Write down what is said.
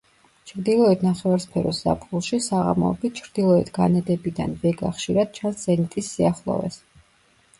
ჩრდილოეთ ნახევარსფეროს ზაფხულში, საღამოობით, ჩრდილოეთ განედებიდან ვეგა ხშირად ჩანს ზენიტის სიახლოვეს.